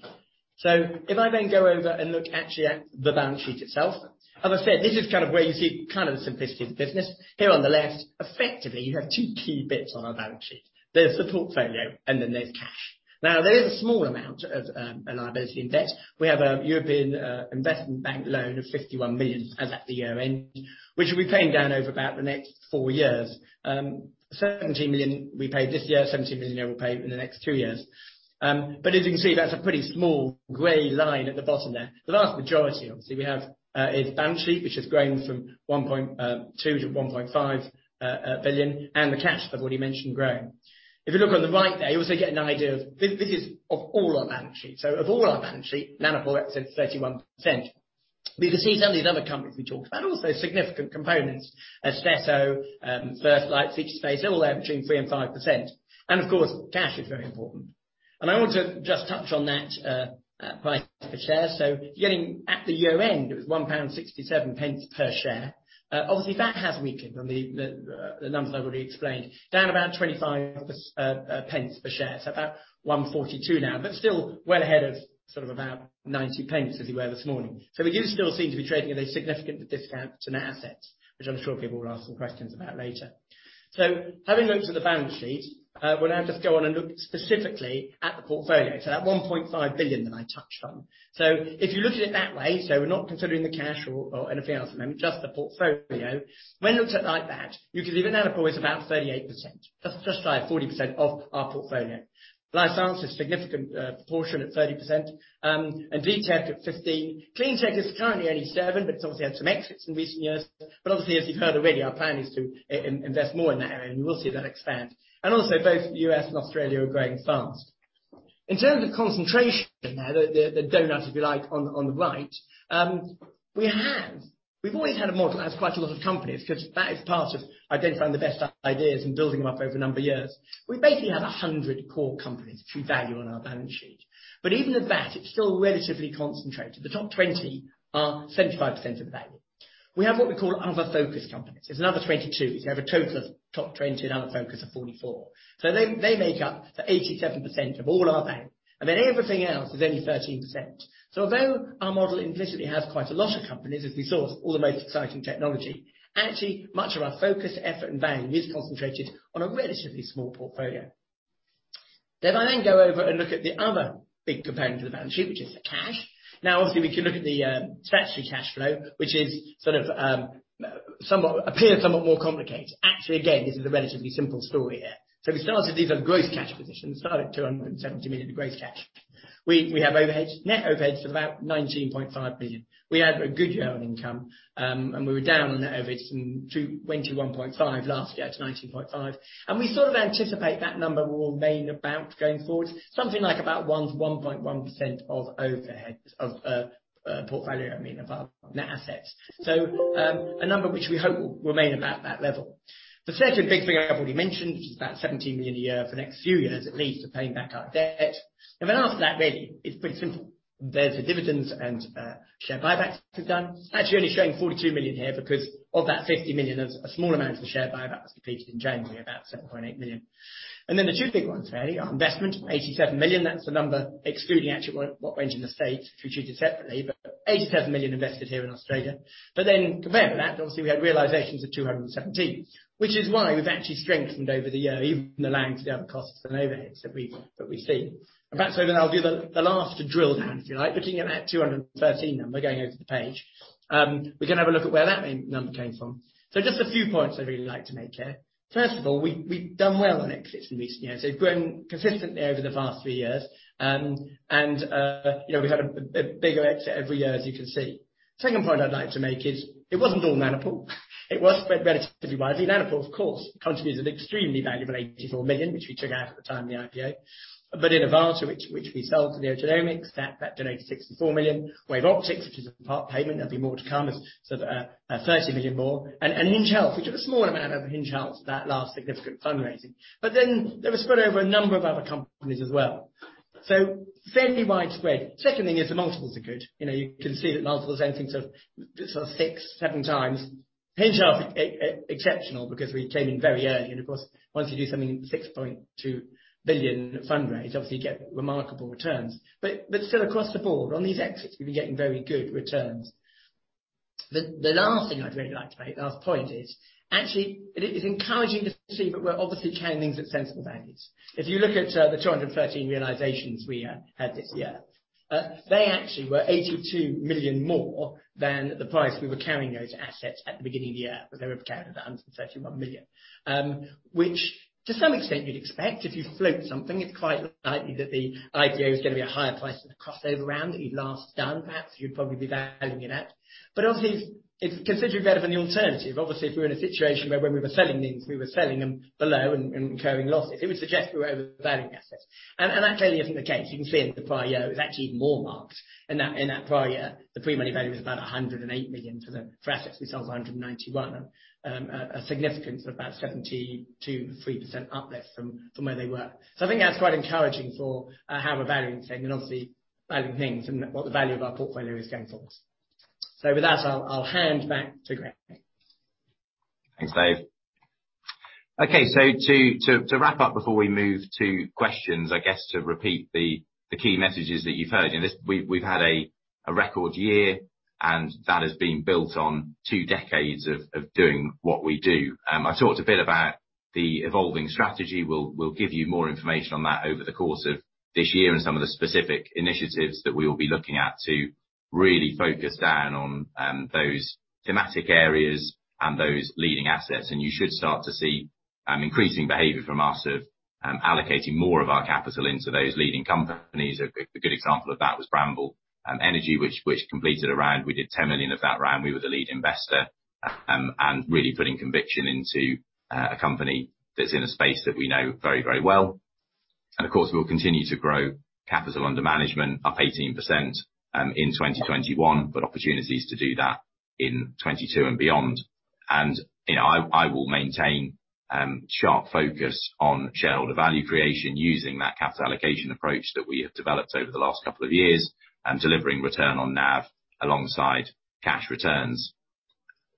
If I then go over and look actually at the balance sheet itself, as I said, this is kind of where you see kind of the simplicity of the business. Here on the left, effectively, you have two key bits on our balance sheet. There's the portfolio and then there's cash. There is a small amount of a liability in debt. We have a European Investment Bank loan of 51 million as at the year-end, which will be paying down over about the next four years. Seventeen million we paid this year, seventeen million that we'll pay within the next two years. But as you can see, that's a pretty small gray line at the bottom there. The vast majority, obviously, we have is balance sheet, which has grown from 1.2 to 1.5 billion, and the cash I've already mentioned growing. If you look on the right there, you also get an idea of this is of all our balance sheets. So of all our balance sheet, Oxford Nanopore is at 31%. We can see some of these other companies we talked about, also significant components, Istesso, First Light Fusion, Featurespace, all there between 3%-5%. Of course, cash is very important. I want to just touch on that, price per share. At the year-end, it was 1.67 pound per share. Obviously, that has weakened from the numbers I've already explained. Down about 25 pence per share, so about 1.42 now, but still well ahead of sort of about 0.90 as we were this morning. We do still seem to be trading at a significant discount to net assets, which I'm sure people will ask some questions about later. Having looked at the balance sheet, we'll now just go on and look specifically at the portfolio, that 1.5 billion that I touched on. If you looked at it that way, we're not considering the cash or anything else at the moment, just the portfolio. When looked at like that, you can see that Oxford Nanopore is about 38%. That's just shy of 40% of our portfolio. Life Sciences is a significant portion at 30%, and deep tech at 15%. Cleantech is currently only 7%, but obviously had some exits in recent years. Obviously, as you've heard already, our plan is to invest more in that area, and you will see that expand. Also, both U.S. and Australia are growing fast. In terms of concentration there, the donut, if you like, on the right, we have... We've always had a model that has quite a lot of companies 'cause that is part of identifying the best ideas and building them up over a number of years. We basically have 100 core companies by value on our balance sheet. Even at that, it's still relatively concentrated. The top 20 are 75% of the value. We have what we call other focus companies. It's another 22. We have a total of top 20 and other focus of 44. They make up 87% of all our value. Then everything else is only 13%. Although our model implicitly has quite a lot of companies, as we saw with all the most exciting technology, actually much of our focus, effort, and value is concentrated on a relatively small portfolio. If I go over and look at the other big component of the balance sheet, which is the cash. Now, obviously, we can look at the statutory cash flow, which is sort of appears somewhat more complicated. Actually, again, this is a relatively simple story here. We started these growth cash positions at 270 million of growth cash. We have overheads, net overheads of about 19.5 million. We had a good year on income, and we were down on net overheads from 21.5 million last year to 19.5 million. We sort of anticipate that number will remain about going forward, something like about 1%-1.1% of overheads of our portfolio, I mean, of our net assets. A number which we hope will remain about that level. The second big thing I've already mentioned, which is about 17 million a year for the next few years at least of paying back our debt. Then after that, really it's pretty simple. There's the dividends and share buybacks to be done. It's actually only showing 42 million here because of that 50 million, a small amount of the share buyback was completed in January, about 7.8 million. Then the two big ones really are investment, 87 million. That's the number excluding actually what went into the estate, if we treat it separately, but 87 million invested here in Australia. Compared to that, obviously we had realizations of 217, which is why we've actually strengthened over the year, even allowing for the other costs and overheads that we've seen. Perhaps then I'll do the last drill down, if you like, looking at that 213 number, going over to the page. We can have a look at where that number came from. Just a few points I'd really like to make here. First of all, we've done well on exits in recent years. They've grown consistently over the past three years. You know, we've had a bigger exit every year, as you can see. Second point I'd like to make is it wasn't all Nanopore. It was spread relatively widely. Oxford Nanopore of course continues at an extremely valuable 84 million, which we took out at the time of the IPO. Inivata, which we sold to NeoGenomics, that donated 64 million. WaveOptics, which is a part payment, there'll be more to come as sort of 30 million more. Hinge Health, we took a small amount out of Hinge Health in that last significant fundraising. Then they were spread over a number of other companies as well. Fairly widespread. Second thing is the multiples are good. You can see that multiples anything sort of 6-7 times. Hinge Health exceptional because we came in very early and of course once you do something 6.2 billion fundraise, obviously you get remarkable returns. Still across the board on these exits we've been getting very good returns. The last point is actually it's encouraging to see that we're obviously carrying things at sensible values. If you look at the 213 realizations we had this year, they actually were 82 million more than the price we were carrying those assets at the beginning of the year. They were carried at 131 million. Which to some extent you'd expect if you float something, it's quite likely that the IPO is gonna be a higher price than the crossover round that you last done, perhaps you'd probably be valuing it at. Obviously it's considerably better than the alternative. Obviously, if we're in a situation where when we were selling things, we were selling them below and incurring losses, it would suggest we were overvaluing assets. That clearly isn't the case. You can see in the prior year it was actually even more marked. In that prior year, the pre-money value was about 108 million for the assets we sold for 191. A significant sort of about 72.3% uplift from where they were. I think that's quite encouraging for how we're valuing things and obviously valuing things and what the value of our portfolio is going forward. With that, I'll hand back to Greg. Thanks, David. Okay, so to wrap up before we move to questions, I guess to repeat the key messages that you've heard. You know, this. We've had a record year, and that has been built on two decades of doing what we do. I talked a bit about the evolving strategy. We'll give you more information on that over the course of this year and some of the specific initiatives that we will be looking at to really focus down on those thematic areas and those leading assets. You should start to see increasing behavior from us of allocating more of our capital into those leading companies. A good example of that was Bramble Energy, which completed a round. We did 10 million of that round. We were the lead investor and really putting conviction into a company that's in a space that we know very, very well. Of course, we'll continue to grow capital under management up 18% in 2021, but opportunities to do that in 2022 and beyond. You know, I will maintain sharp focus on shareholder value creation using that capital allocation approach that we have developed over the last couple of years and delivering return on NAV alongside cash returns.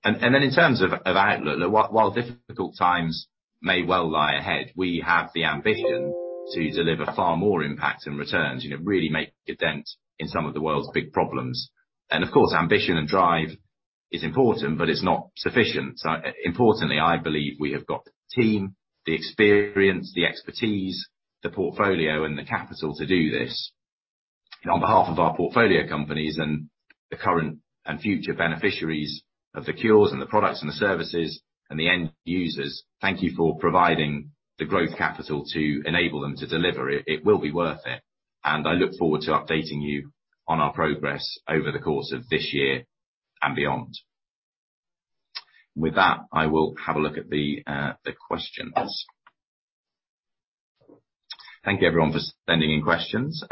Then in terms of outlook, look, while difficult times may well lie ahead, we have the ambition to deliver far more impact and returns, you know, really make a dent in some of the world's big problems. Of course, ambition and drive is important, but it's not sufficient. Importantly, I believe we have got the team, the experience, the expertise, the portfolio, and the capital to do this. On behalf of our portfolio companies and the current and future beneficiaries of the cures and the products and the services and the end users, thank you for providing the growth capital to enable them to deliver. It will be worth it, and I look forward to updating you on our progress over the course of this year and beyond. With that, I will have a look at the questions. Thank you everyone for sending in questions.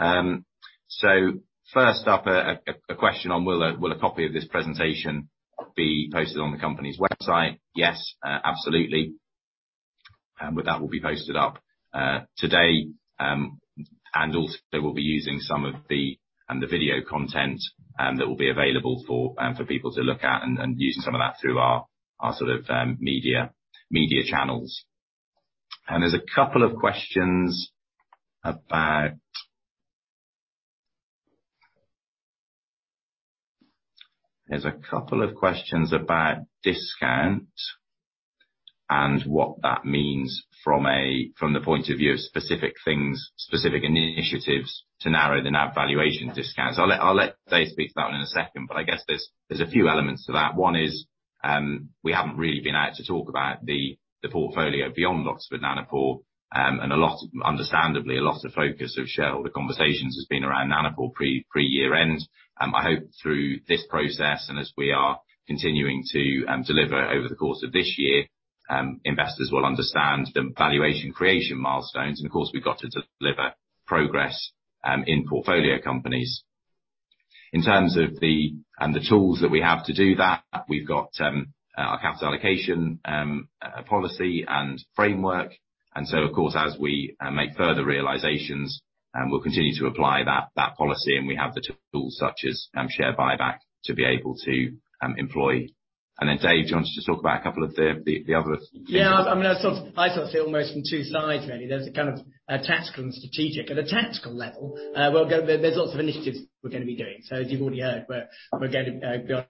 First up, a question on will a copy of this presentation be posted on the company's website? Yes, absolutely. With that will be posted up today. Also we'll be using some of the The video content that will be available for people to look at and using some of that through our sort of media channels. There's a couple of questions about discount and what that means from the point of view of specific things, specific initiatives to narrow the NAV valuation discounts. I'll let Dave speak to that one in a second. I guess there's a few elements to that. One is, we haven't really been out to talk about the portfolio beyond Oxford Nanopore. Understandably, a lot of focus of shareholder conversations has been around Nanopore pre-year-end. I hope through this process and as we are continuing to deliver over the course of this year, investors will understand the valuation creation milestones. Of course, we've got to deliver progress in portfolio companies. In terms of the tools that we have to do that, we've got our capital allocation policy and framework. Of course, as we make further realizations, we'll continue to apply that policy, and we have the tools such as share buyback to be able to employ. Then David, do you want to just talk about a couple of the other- Yeah. I mean, I sort of see almost from two sides, really. There's a kind of a tactical and strategic. At a tactical level, there are lots of initiatives we're gonna be doing. So as you've already heard, we're gonna.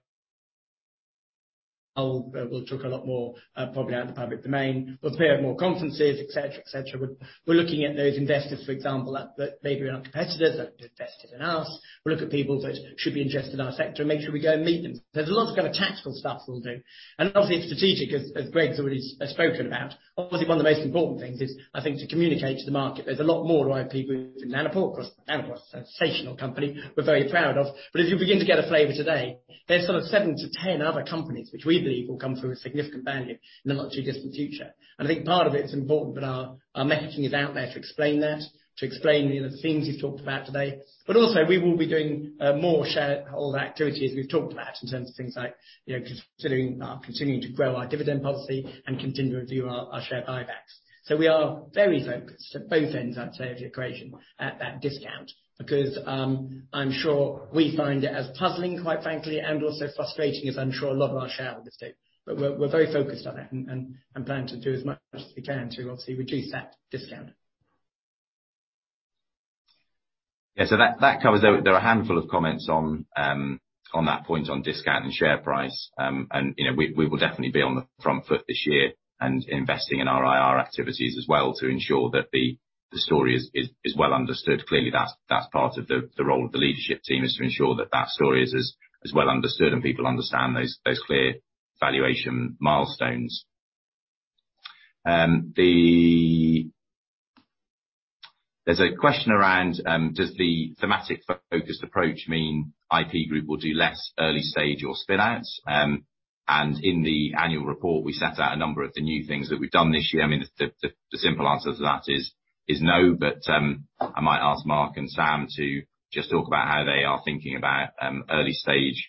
We'll talk a lot more, probably out in the public domain. We'll appear at more conferences, et cetera, et cetera. We're looking at those investors, for example, that maybe are not competitors, that have invested in us. We'll look at people that should invest in our sector and make sure we go and meet them. There's a lot of kind of tactical stuff we'll do. Obviously, strategic, as Greg has already spoken about, obviously one of the most important things is, I think, to communicate to the market. There's a lot more to IP Group than Nanopore. Of course, Nanopore is a sensational company we're very proud of. As you begin to get a flavor today, there's sort of seven to 10 other companies which we believe will come through with significant value in the not too distant future. I think part of it's important that our messaging is out there to explain that, to explain the other things we've talked about today. Also we will be doing more shareholder activity, as we've talked about, in terms of things like, you know, continuing to grow our dividend policy and continue to review our share buybacks. We are very focused at both ends, I'd say, of the equation at that discount. Because, I'm sure we find it as puzzling, quite frankly, and also frustrating as I'm sure a lot of our shareholders do. We're very focused on it and plan to do as much as we can to obviously reduce that discount. Yeah. That covers it. There were a handful of comments on that point on discount and share price. You know, we will definitely be on the front foot this year and investing in our IR activities as well to ensure that the story is well understood. Clearly, that's part of the role of the leadership team, is to ensure that that story is as well understood and people understand those clear valuation milestones. There's a question around, does the thematic focused approach mean IP Group will do less early stage or spin-outs? In the annual report, we set out a number of the new things that we've done this year. I mean, the simple answer to that is no. I might ask Mark and Sam to just talk about how they are thinking about early stage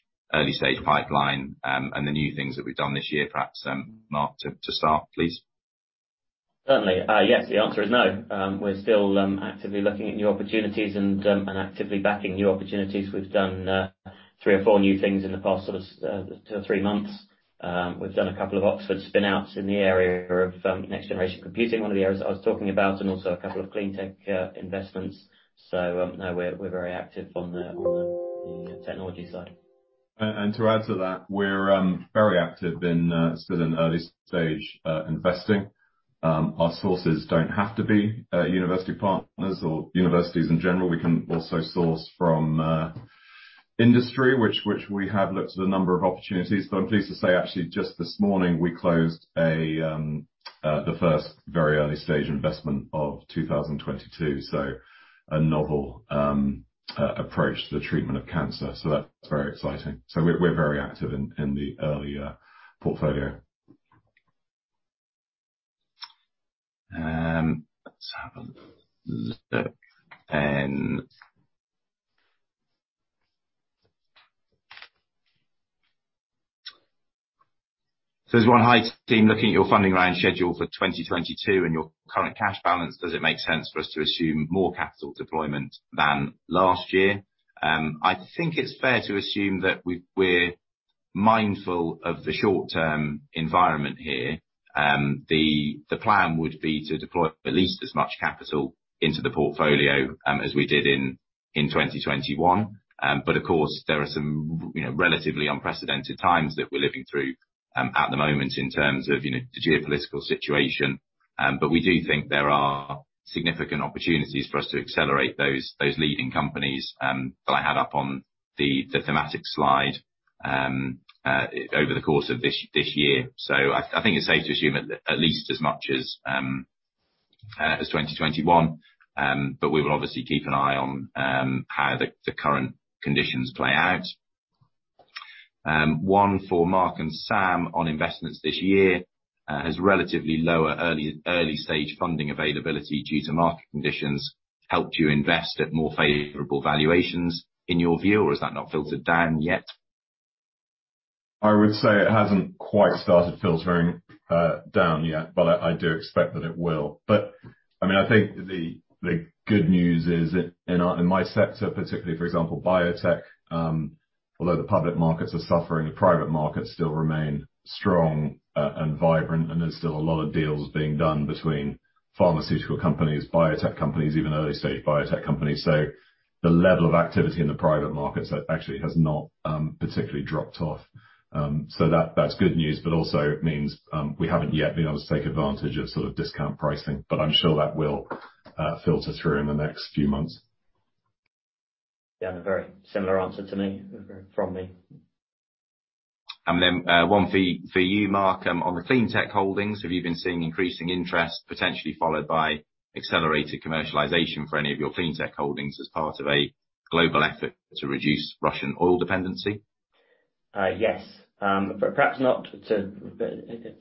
pipeline and the new things that we've done this year. Perhaps Mark to start, please. Certainly. Yes, the answer is no. We're still actively looking at new opportunities and actively backing new opportunities. We've done three or four new things in the past sort of two or three months. We've done a couple of Oxford spin-outs in the area of next generation computing, one of the areas I was talking about, and also a couple of clean tech investments. No, we're very active on the technology side. To add to that, we're very active in sort of early stage investing. Our sources don't have to be university partners or universities in general. We can also source from industry, which we have looked at a number of opportunities. I'm pleased to say, actually, just this morning we closed the first very early stage investment of 2022. A novel approach to the treatment of cancer. We're very active in the early portfolio. Let's have a look then. There's one. Hi, team. Looking at your funding round schedule for 2022 and your current cash balance, does it make sense for us to assume more capital deployment than last year? I think it's fair to assume that we're mindful of the short-term environment here. The plan would be to deploy at least as much capital into the portfolio as we did in 2021. Of course, there are some, you know, relatively unprecedented times that we're living through at the moment in terms of, you know, the geopolitical situation. We do think there are significant opportunities for us to accelerate those leading companies that I had up on the thematic slide over the course of this year. I think it's safe to assume at least as much as 2021. We will obviously keep an eye on how the current conditions play out. One for Mark and Sam on investments this year. Has relatively lower early stage funding availability due to market conditions helped you invest at more favorable valuations in your view, or has that not filtered down yet? I would say it hasn't quite started filtering down yet, but I do expect that it will. I mean, I think the good news is in my sector, particularly for example, biotech, although the public markets are suffering, the private markets still remain strong, and vibrant, and there's still a lot of deals being done between pharmaceutical companies, biotech companies, even early-stage biotech companies. The level of activity in the private markets has actually not particularly dropped off. That's good news, but also it means we haven't yet been able to take advantage of sort of discount pricing. I'm sure that will filter through in the next few months. Yeah. A very similar answer from me. One for you, Mark, on the clean tech holdings, have you been seeing increasing interest potentially followed by accelerated commercialization for any of your clean tech holdings as part of a global effort to reduce Russian oil dependency? Yes. Perhaps not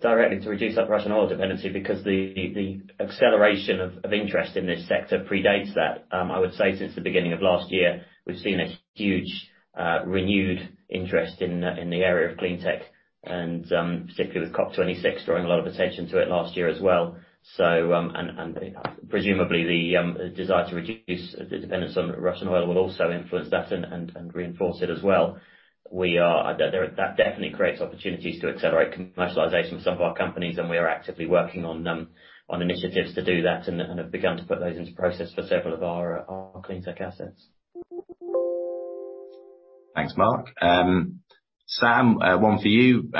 directly to reduce our Russian oil dependency because the acceleration of interest in this sector predates that. I would say since the beginning of last year, we've seen a huge renewed interest in the area of clean tech and particularly with COP 26 drawing a lot of attention to it last year as well. Presumably the desire to reduce the dependence on Russian oil will also influence that and reinforce it as well. That definitely creates opportunities to accelerate commercialization with some of our companies, and we are actively working on initiatives to do that and have begun to put those into process for several of our clean tech assets. Thanks, Mark. Sam, one for you.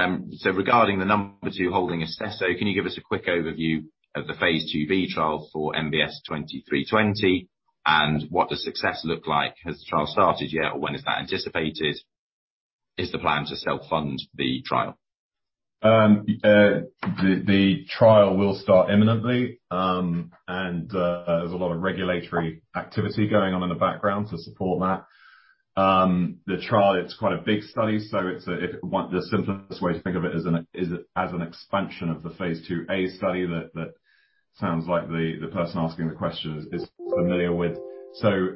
Regarding the number two holding Istesso, can you give us a quick overview of the phase IIb trial for MBS2320, and what does success look like? Has the trial started yet, or when is that anticipated? Is the plan to self-fund the trial? The trial will start imminently, and there's a lot of regulatory activity going on in the background to support that. The trial, it's quite a big study. The simplest way to think of it is as an expansion of the phase IIa study that sounds like the person asking the question is familiar with.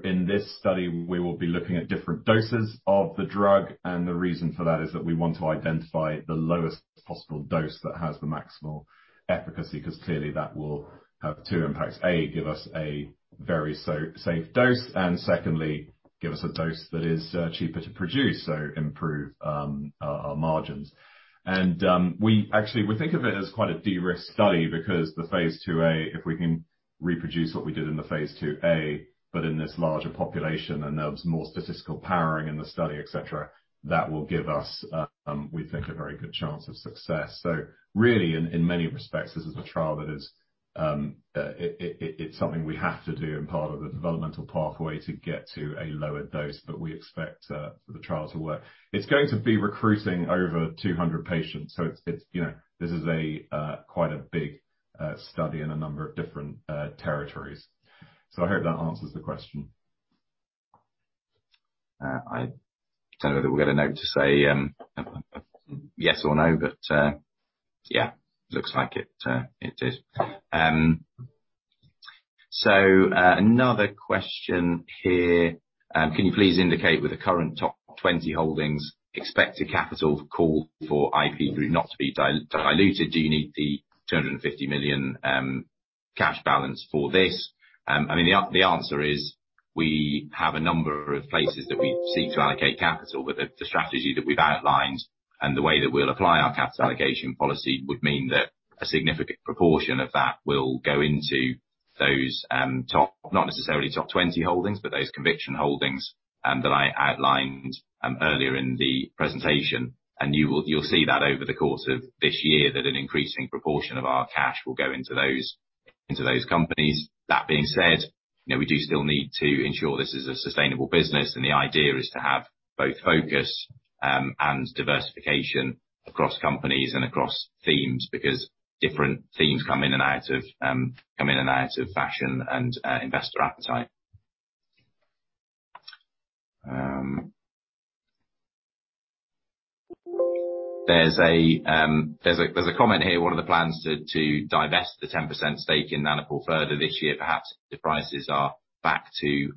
In this study, we will be looking at different doses of the drug, and the reason for that is that we want to identify the lowest possible dose that has the maximal efficacy, 'cause clearly that will have two impacts. A, give us a very safe dose, and secondly, give us a dose that is cheaper to produce, so improve our margins. We actually think of it as quite a de-risk study because the phase IIa, if we can reproduce what we did in the phase IIa but in this larger population, and there was more statistical powering in the study, et cetera, that will give us, we think, a very good chance of success. Really in many respects, this is a trial that is, it's something we have to do and part of the developmental pathway to get to a lower dose. But we expect the trial to work. It's going to be recruiting over 200 patients, so it's, you know, this is a quite a big study in a number of different territories. I hope that answers the question. I don't know that we'll get a note to say, yes or no, but, yeah, looks like it is. Another question here. Can you please indicate with the current top 20 holdings expected capital call for IP Group not to be diluted, do you need the 250 million cash balance for this? I mean, the answer is we have a number of places that we seek to allocate capital with the strategy that we've outlined, and the way that we'll apply our capital allocation policy would mean that a significant proportion of that will go into those, top, not necessarily top 20 holdings, but those conviction holdings, that I outlined, earlier in the presentation. You'll see that over the course of this year that an increasing proportion of our cash will go into those companies. That being said, you know, we do still need to ensure this is a sustainable business, and the idea is to have both focus and diversification across companies and across themes, because different themes come in and out of fashion and investor appetite. There's a comment here. What are the plans to divest the 10% stake in Oxford Nanopore further this year, perhaps if the prices are back to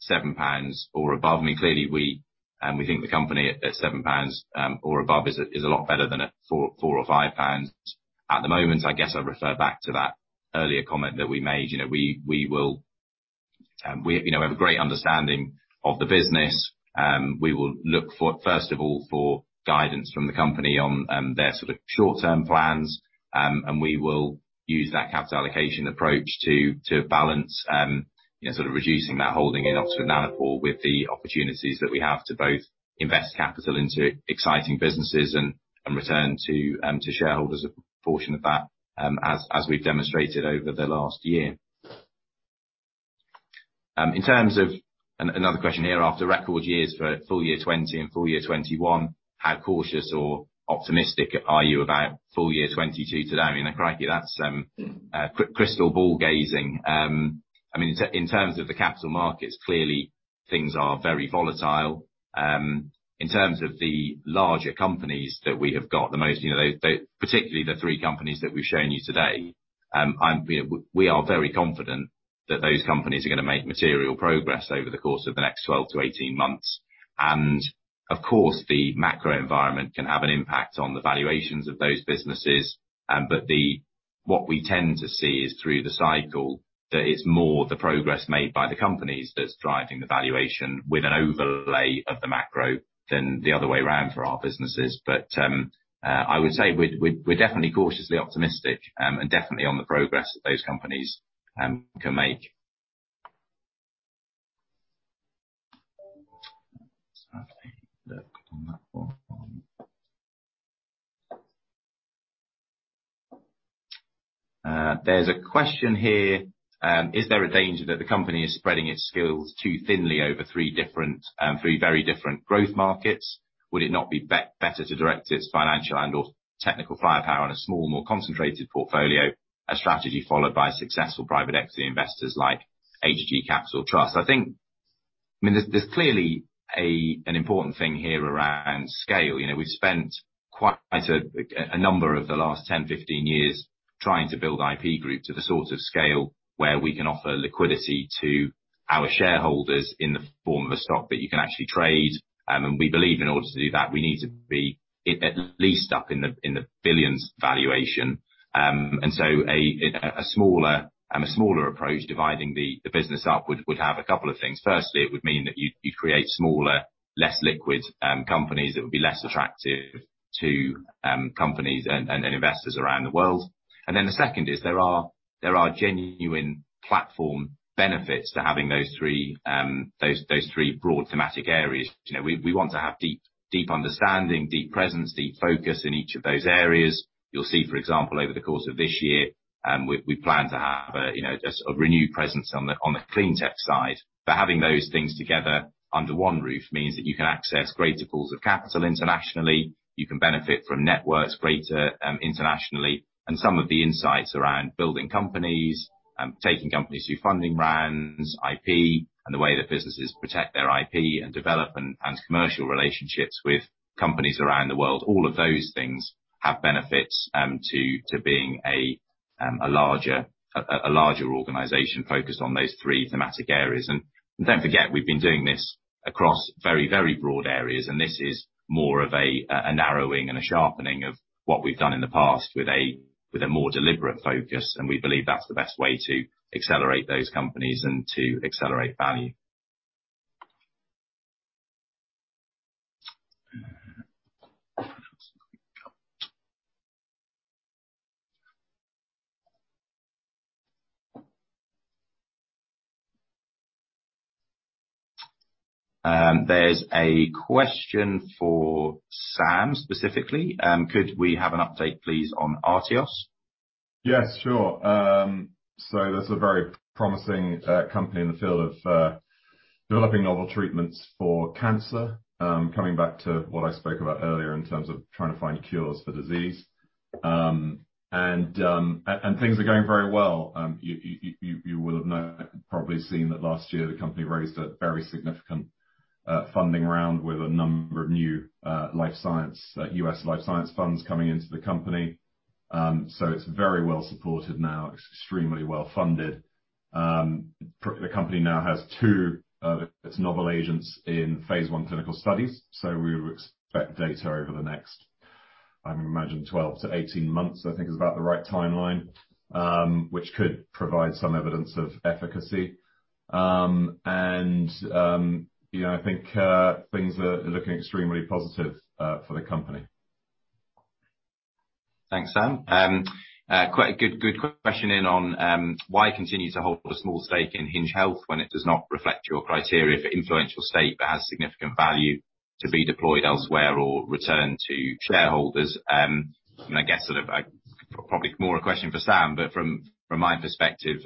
7 pounds or above? I mean, clearly we think the company at 7 pounds or above is a lot better than at 4 or 5 pounds. At the moment, I guess I'd refer back to that earlier comment that we made. You know, we will have a great understanding of the business. We will look for, first of all, for guidance from the company on their sort of short-term plans, and we will use that capital allocation approach to balance you know sort of reducing that holding in Oxford Nanopore with the opportunities that we have to both invest capital into exciting businesses and return to shareholders a portion of that as we've demonstrated over the last year. In terms of another question here. After record years for full year 2020 and full year 2021, how cautious or optimistic are you about full year 2022 to now? I mean, crikey, that's crystal ball gazing. I mean, in terms of the capital markets, clearly things are very volatile. In terms of the larger companies that we have got the most, you know, they particularly the three companies that we've shown you today, you know, we are very confident that those companies are gonna make material progress over the course of the next 12-18 months. Of course, the macro environment can have an impact on the valuations of those businesses. But what we tend to see is through the cycle, that it's more the progress made by the companies that's driving the valuation with an overlay of the macro than the other way around for our businesses. I would say we're definitely cautiously optimistic, and definitely on the progress that those companies can make. Let's have a look at that one for me. There's a question here, is there a danger that the company is spreading its skills too thinly over three different, three very different growth markets? Would it not be better to direct its financial and/or technical firepower on a small, more concentrated portfolio, a strategy followed by successful private equity investors like HgCapital Trust? I think I mean, there's clearly an important thing here around scale. You know, we've spent quite a number of the last 10, 15 years trying to build IP Group to the sort of scale where we can offer liquidity to our shareholders in the form of a stock that you can actually trade. We believe in order to do that, we need to be at least up in the billions valuation. A smaller approach, dividing the business up would have a couple of things. Firstly, it would mean that you'd create smaller, less liquid companies that would be less attractive to companies and investors around the world. The second is there are genuine platform benefits to having those three broad thematic areas. You know, we want to have deep understanding, deep presence, deep focus in each of those areas. You'll see, for example, over the course of this year, we plan to have, you know, a sort of renewed presence on the clean tech side. Having those things together under one roof means that you can access greater pools of capital internationally, you can benefit from networks greater internationally, and some of the insights around building companies, taking companies through funding rounds, IP, and the way that businesses protect their IP and develop commercial relationships with companies around the world. All of those things have benefits to being a larger organization focused on those three thematic areas. Don't forget, we've been doing this across very broad areas, and this is more of a narrowing and a sharpening of what we've done in the past with a more deliberate focus. We believe that's the best way to accelerate those companies and to accelerate value. There's a question for Sam specifically. Could we have an update, please, on Artios? Yes, sure. That's a very promising company in the field of developing novel treatments for cancer, coming back to what I spoke about earlier in terms of trying to find cures for disease. Things are going very well. You will have probably seen that last year, the company raised a very significant funding round with a number of new life science U.S. life science funds coming into the company. It's very well supported now. It's extremely well-funded. The company now has two of its novel agents in phase I clinical studies, so we would expect data over the next, I imagine, 12-18 months, I think is about the right timeline, which could provide some evidence of efficacy. You know, I think things are looking extremely positive for the company. Thanks, Sam. Quite a good question on why continue to hold a small stake in Hinge Health when it does not reflect your criteria for an influential stake that has significant value to be deployed elsewhere or return to shareholders? I guess sort of like, probably more a question for Sam, but from my perspective,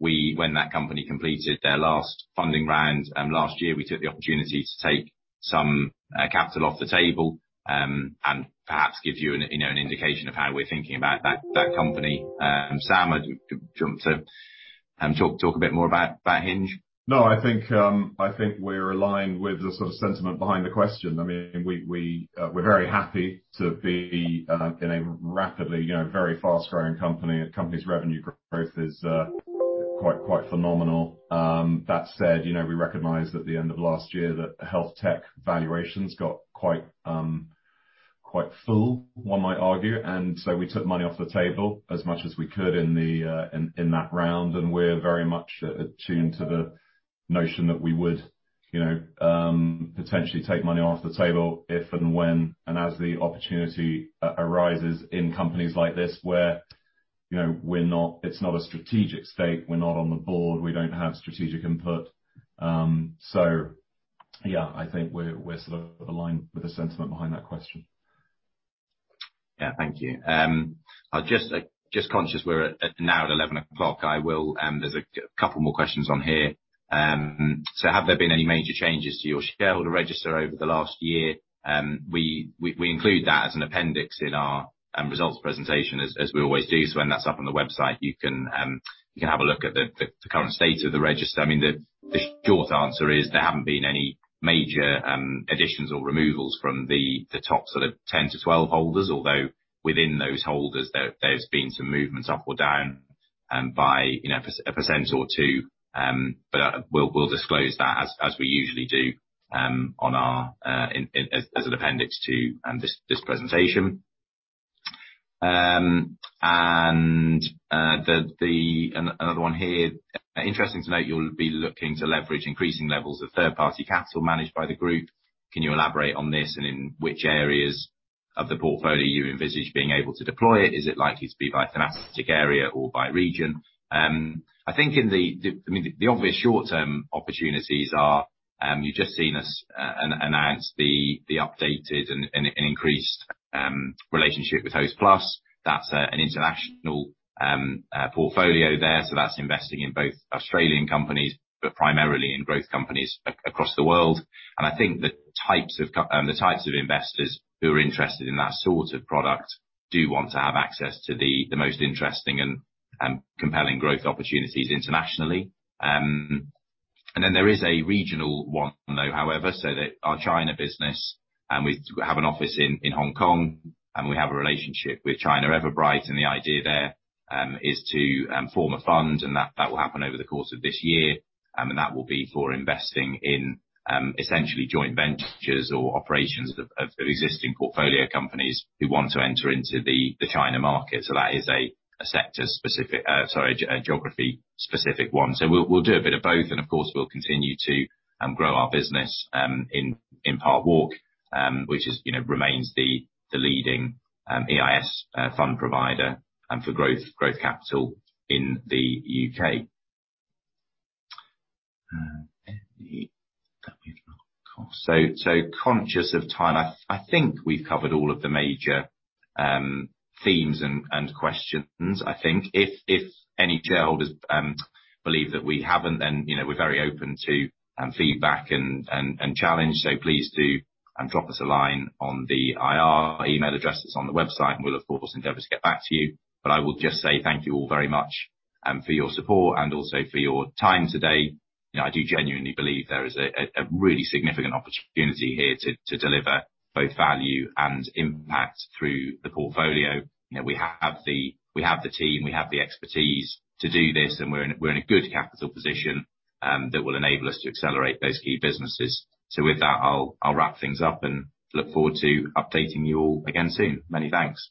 when that company completed their last funding round last year, we took the opportunity to take some capital off the table, and perhaps give you an you know, an indication of how we're thinking about that company. Sam, jump in to talk a bit more about that Hinge. No, I think we're aligned with the sort of sentiment behind the question. I mean, we're very happy to be in a rapidly, you know, very fast-growing company. The company's revenue growth is quite phenomenal. That said, you know, we recognized at the end of last year that health tech valuations got quite full, one might argue. We took money off the table as much as we could in that round, and we're very much attuned to the notion that we would, you know, potentially take money off the table if and when and as the opportunity arises in companies like this where, you know, we're not. It's not a strategic stake. We're not on the board, we don't have strategic input. Yeah, I think we're sort of aligned with the sentiment behind that question. Yeah. Thank you. I was just conscious we're now at 11 o'clock. I will. There's a couple more questions on here. Have there been any major changes to your shareholder register over the last year? We include that as an appendix in our results presentation as we always do. When that's up on the website you can have a look at the current state of the register. I mean, the short answer is there haven't been any major additions or removals from the top sort of 10-12 holders, although within those holders there's been some movements up or down, you know, by 1% or 2%. We'll disclose that as we usually do in an appendix to this presentation. Another one here. Interesting to note, you'll be looking to leverage increasing levels of third-party capital managed by the group. Can you elaborate on this and in which areas of the portfolio you envisage being able to deploy it? Is it likely to be by thematic area or by region? I think in the—I mean, the obvious short-term opportunities are, you've just seen us announce the updated and increased relationship with Hostplus. That's an international portfolio there, so that's investing in both Australian companies, but primarily in growth companies across the world. I think the types of investors who are interested in that sort of product do want to have access to the most interesting and compelling growth opportunities internationally. Then there is a regional one, though, however, so that our China business, we have an office in Hong Kong, and we have a relationship with China Everbright, and the idea there is to form a fund, and that will happen over the course of this year. And that will be for investing in essentially joint ventures or operations of existing portfolio companies who want to enter into the China market. That is a geography-specific one. We'll do a bit of both, and of course, we'll continue to grow our business in Parkwalk, which you know remains the leading EIS fund provider and for growth capital in the U.K. Conscious of time. I think we've covered all of the major themes and questions. I think if any shareholders believe that we haven't, then you know, we're very open to feedback and challenge. Please do drop us a line on the IR email address that's on the website, and we'll of course endeavor to get back to you. But I will just say thank you all very much for your support and also for your time today. You know, I do genuinely believe there is a really significant opportunity here to deliver both value and impact through the portfolio. You know, we have the team, we have the expertise to do this, and we're in a good capital position that will enable us to accelerate those key businesses. With that, I'll wrap things up and look forward to updating you all again soon. Many thanks.